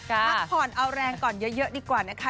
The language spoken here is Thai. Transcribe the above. พักผ่อนเอาแรงก่อนเยอะดีกว่านะคะ